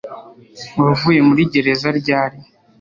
Wavuye muri gereza ryari?